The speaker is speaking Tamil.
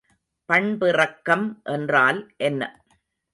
பண்பிறக்கம் என்றல் என்ன?